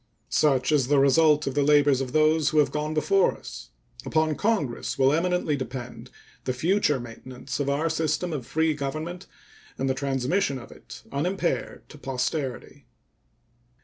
Such is the result of the labors of those who have gone before us. Upon Congress will eminently depend the future maintenance of our system of free government and the transmission of it unimpaired to posterity.